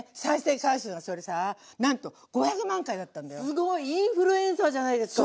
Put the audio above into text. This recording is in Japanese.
すごい！インフルエンサーじゃないですか！